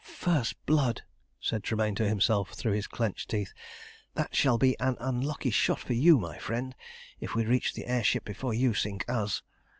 "First blood!" said Tremayne to himself through his clenched teeth. "That shall be an unlucky shot for you, my friend, if we reach the air ship before you sink us."